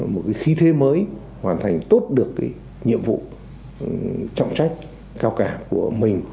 một khí thế mới hoàn thành tốt được nhiệm vụ trọng trách cao cả của mình